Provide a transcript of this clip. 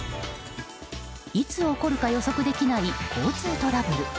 いつ起こるか予測できない交通トラブル。